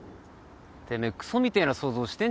てめえクソみてえな想像してんじゃねえぞ。